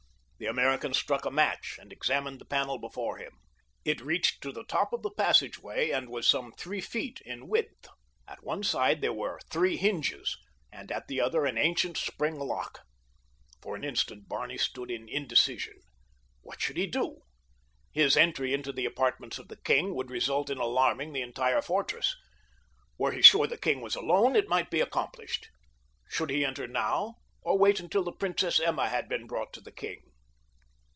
The American struck a match and examined the panel before him. It reached to the top of the passageway and was some three feet in width. At one side were three hinges, and at the other an ancient spring lock. For an instant Barney stood in indecision. What should he do? His entry into the apartments of the king would result in alarming the entire fortress. Were he sure the king was alone it might be accomplished. Should he enter now or wait until the Princess Emma had been brought to the king?